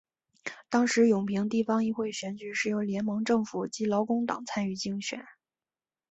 当时永平地方议会选举是由联盟政府及劳工党参与竞选。